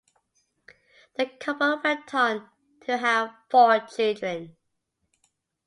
The couple went on to have four children.